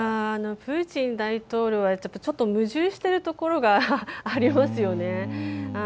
プーチン大統領はちょっと、矛盾してるところがありますよね。